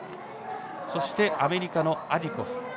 そして、アメリカのアディコフ。